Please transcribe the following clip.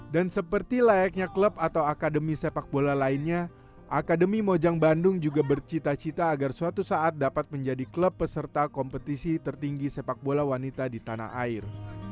dan seperti layaknya klub atau akademi sepak bola lainnya akademi mojang bandung juga bercita cita agar suatu saat dapat menjadi klub peserta kompetisi tertinggi sepak bola wanita di tanah air